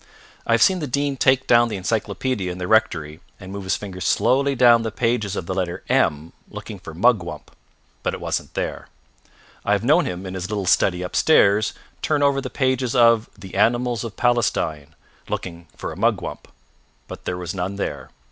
I have seen the Dean take down the encyclopaedia in the rectory, and move his finger slowly down the pages of the letter M, looking for mugwump. But it wasn't there. I have known him, in his little study upstairs, turn over the pages of the "Animals of Palestine," looking for a mugwump. But there was none there.